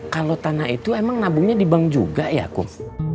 kalau tanah itu emang nabungnya di bank juga ya kong